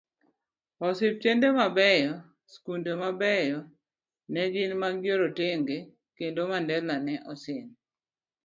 Osiptende mabeyo, skunde mabeyo negin magjorotenge, kendo Mandela ne osin